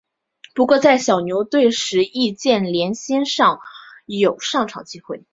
不过在小牛队时易建联鲜有上场机会。